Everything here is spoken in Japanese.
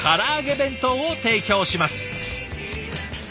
弁当を提供します。